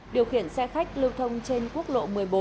điều khiển xe khách lưu thông trên quốc lộ một mươi bốn